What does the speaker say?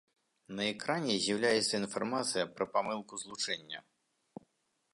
На экране з'яўляецца інфармацыя пра памылку злучэння.